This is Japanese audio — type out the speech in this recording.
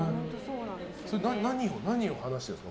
何を話しているんですか？